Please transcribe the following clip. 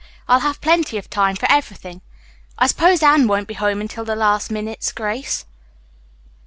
"I'll have plenty of time for everything. I suppose Anne won't be home until the last minute's grace."